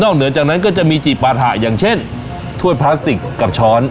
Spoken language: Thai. เหนือจากนั้นก็จะมีจีบปาถะอย่างเช่นถ้วยพลาสติกกับช้อน